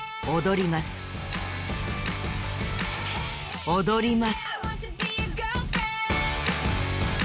おどります。